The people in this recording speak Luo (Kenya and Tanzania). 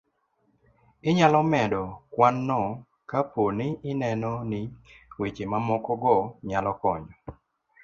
inyalo medo kwanno kapo ni ineno ni weche mamoko go nyalo konyo